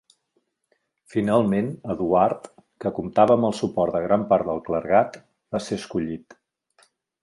Finalment Eduard, que comptava amb el suport de gran part del clergat, va ser escollit.